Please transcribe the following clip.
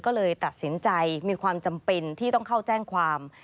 ก็เลยตัดสินใจมีความจำเป็นที่ต้องเข้าแจ้งความ